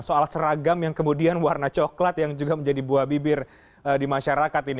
soal seragam yang kemudian warna coklat yang juga menjadi buah bibir di masyarakat ini